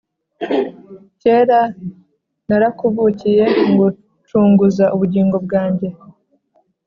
Kera narakuvukiye ngucunguza ubugingo bwanjye